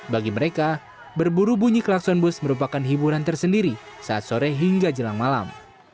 bagi mereka berburu bunyi klakson bus merupakan hiburan tersendiri saat sore hingga jelang malam